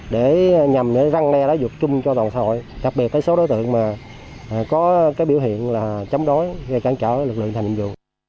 để nhằm răng le đá dục chung cho toàn xã hội đặc biệt số đối tượng có biểu hiện chống đối gây cản trở lực lượng thành nhiệm vụ